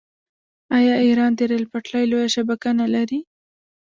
آیا ایران د ریل پټلۍ لویه شبکه نلري؟